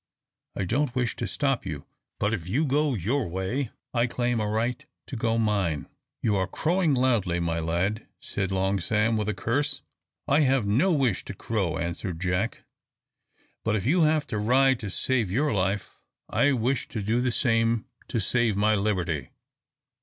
"I don't wish to stop you, but if you go your way, I claim a right to go mine." "You are crowing loudly, my lad!" said Long Sam, with a curse. "I have no wish to crow," answered Jack, "but if you have to ride to save your life, I wish to do the same to save my liberty.